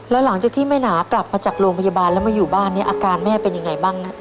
แล้วหลังจากที่แม่หนากลับมาจากโรงพยาบาลแล้วมาอยู่บ้านเนี่ยอาการแม่เป็นยังไงบ้างนะ